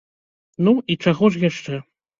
Ну, і чаго ж яшчэ.